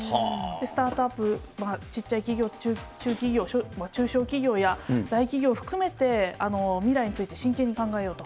スタートアップ、小っちゃい企業、中企業、中小企業や大企業含めて、未来について真剣に考えようと。